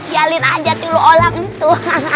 yalin aja dulu orang itu